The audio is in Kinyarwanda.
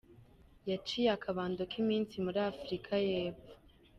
Yaciye akabando k’iminsi muri Afurika y’Epfo.